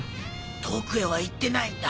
遠くへは行ってないんだ。